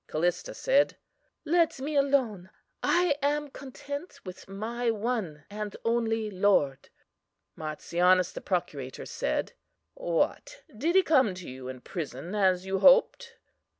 "CALLISTA said: Let me alone; I am content with my One and only Lord. "MARTIANUS, the procurator, said: What? did he come to you in prison, as you hoped?